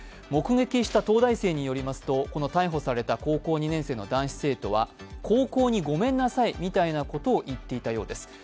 目撃した東大生によりますと逮捕された高校２年生の男子生徒は高校にごめんなさいみたいなことを言っていたそうです。